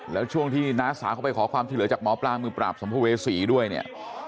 แล้วช่วงที่น้าสาวเขาไปขอความช่วยเหลือจากหมอปลามือปราบสัมภเวษีด้วยเนี่ย